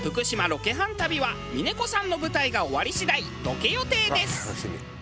ロケハン旅は峰子さんの舞台が終わり次第ロケ予定です。